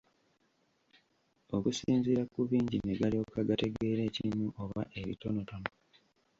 Okusinziira ku bingi ne galyoka gategeera ekimu oba ebitonotono.